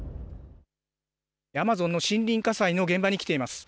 アマゾンの森林火災の現場に来ています。